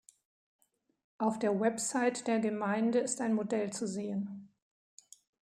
Auf der Website der Gemeinde ist ein Modell zu sehen.